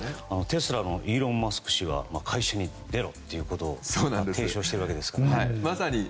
テスラのイーロン・マスク氏は会社に出ろっていうことを提唱していますからね。